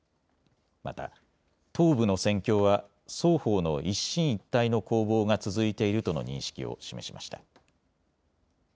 また、東部の戦況は双方の一進一退の攻防が続いているとの認識を示しました。